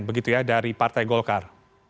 begitu ya dari partai golkar